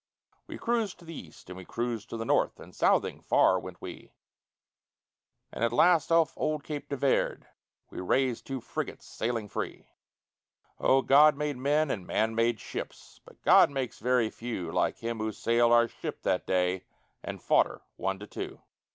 We cruised to the east and we cruised to north, And southing far went we, And at last off Cape de Verd we raised Two frigates sailing free. Oh, God made man, and man made ships, But God makes very few Like him who sailed our ship that day, And fought her, one to two.